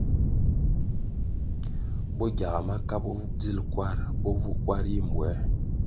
Bo gyaga maka bo bodzil kwarʼ bo vu kwar yi mbwē.